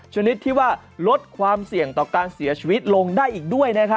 ชนิดที่ว่าลดความเสี่ยงต่อการเสียชีวิตลงได้อีกด้วย